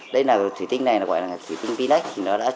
đây là thủy tinh này gọi là thủy tinh pinax